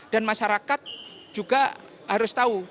dan masyarakat juga harus tahu